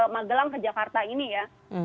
magelang ke jakarta ini ya